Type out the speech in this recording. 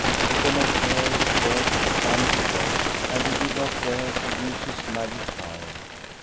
He could not bear the thought of honest work, and he did not dare to use his magic power.